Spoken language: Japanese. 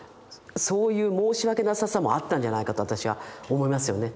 そういう申し訳なささもあったんじゃないかと私は思いますよね。